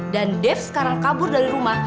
dan dev sekarang kabur dari rumah